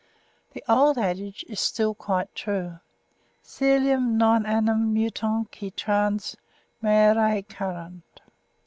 The old adage is still quite true 'coelum non animum mutant qui trans mare currunt'.